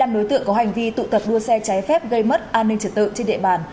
năm đối tượng có hành vi tụ tập đua xe trái phép gây mất an ninh trật tự trên địa bàn